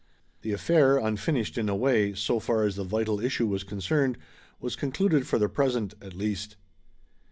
The affair, unfinished in a way, so far as the vital issue was concerned, was concluded for the present, at least.